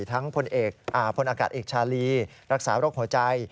ทั้งพลอากาศเอกชาลีรักษาโรคหัวใจ